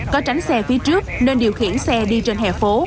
có tránh xe phía trước nên điều khiển xe đi trên hẻ phố